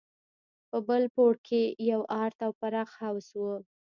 په بل پوړ کښې يو ارت او پراخ حوض و.